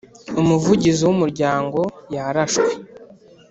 Umuvugizi w Umuryango yarashwe